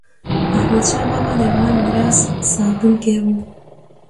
احمدشاه بابا د افغان میراث ساتونکی و.